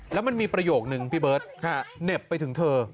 แล้วมันมีประโยคนึงพี่เบิร์ตเหน็บไปถึงเธอ